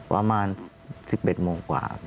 ประมาณ๑๑โมงกว่า